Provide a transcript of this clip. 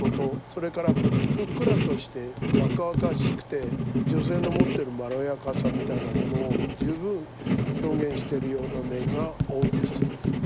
それからふっくらとして若々しくて女性の持ってるまろやかさみたいなものを十分表現してるような面が多いです。